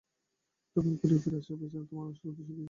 দক্ষিণ কোরিয়ায় ফিরে আসার পিছনে তোমার আসল উদ্দেশ্য কী?